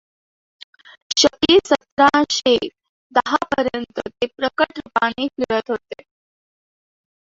शके सत्राशें दहापर्यंत ते प्रकटरूपानें फिरत होते.